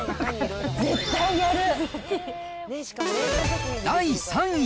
絶対やる。